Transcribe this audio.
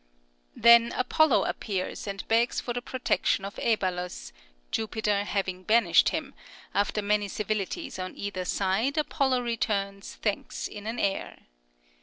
Then Apollo appears, and begs for the protection of Æbalus, Jupiter having banished him; after many civilities on either side, Apollo returns thanks in an air.